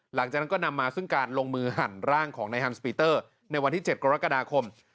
หลังจากนั้นก็นำมาซึ่งการลงมือหั่นร่างของนายฮันสปีเตอร์ในวันที่๗กรกฎาคม